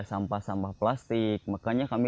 sampah sampah plastik makanya kami